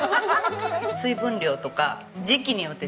水分量とか時期によって違います。